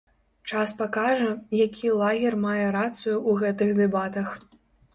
Час пакажа, які лагер мае рацыю ў гэтых дэбатах.